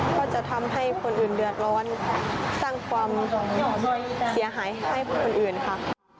ก็จะทำให้คนอื่นเดือดร้อนสร้างความเสียหายให้ผู้อื่นค่ะ